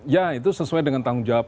ya itu sesuai dengan tanggung jawab